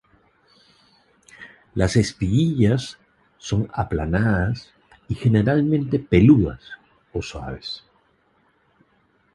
Las espiguillas son aplanadas y generalmente peludas o suaves.